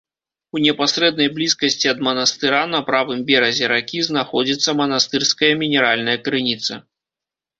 У непасрэднай блізкасці ад манастыра, на правым беразе ракі, знаходзіцца манастырская мінеральная крыніца.